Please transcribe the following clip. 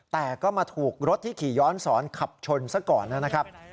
แต่ก็มาถูกรถที่ขี่ย้อนสอนขับชนซะก่อนนะครับ